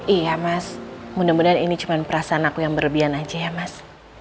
iya mas mudah mudahan ini cuma perasaan aku yang berlebihan aja ya mas